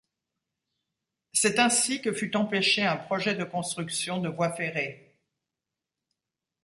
C'est ainsi que fut empêché un projet de construction de voie ferrée.